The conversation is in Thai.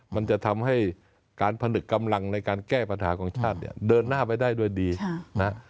มันจะทำให้การผนึกกำลังในการแก้ปัญหาของชาติเนี่ยเดินหน้าไปได้ด้วยดีนะฮะ